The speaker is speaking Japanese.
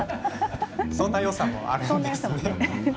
そんなよさもあるんですね。